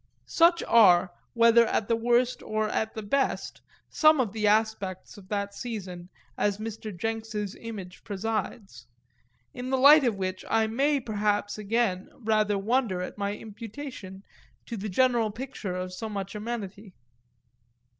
Such are, whether at the worst or at the best, some of the aspects of that season as Mr. Jenks's image presides; in the light of which I may perhaps again rather wonder at my imputation to the general picture of so much amenity.